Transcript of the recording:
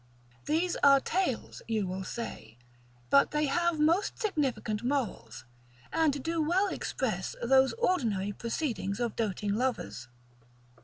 These are tales, you will say, but they have most significant morals, and do well express those ordinary proceedings of doting lovers.